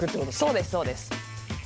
そうですそうです。